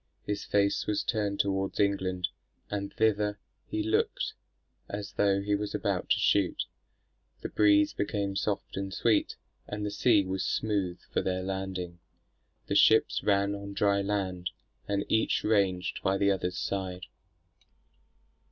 His face was turned towards England, and thither he looked, as though he was about to shoot. The breeze became soft and sweet, and the sea was smooth for their landing. The ships ran on dry land, and each ranged by the other's side.